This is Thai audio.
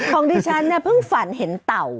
ของดิฉันเนี่ยเพิ่งฝันเห็นเต่า